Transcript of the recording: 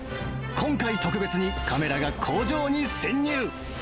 今回、特別にカメラが工場に潜入。